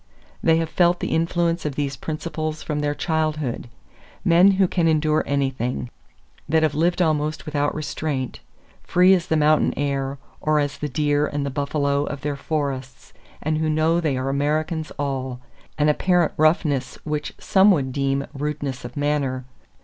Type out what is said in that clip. They have felt the influence of these principles from their childhood. Men who can endure anything; that have lived almost without restraint, free as the mountain air or as the deer and the buffalo of their forests, and who know they are Americans all.... An apparent roughness which some would deem rudeness of manner....